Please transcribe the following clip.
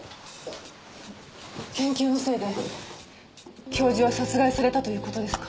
研究のせいで教授は殺害されたという事ですか？